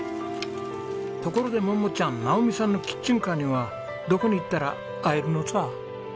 ところで桃ちゃん直己さんのキッチンカーにはどこに行ったら会えるのサー？